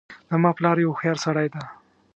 زما پلار یو هوښیارسړی ده